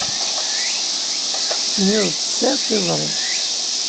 Tenniḍ-d tesɛiḍ tiẓri.